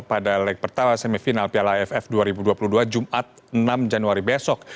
pada leg pertama semifinal piala aff dua ribu dua puluh dua jumat enam januari besok